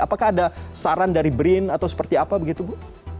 apakah ada saran dari brin atau seperti apa begitu bu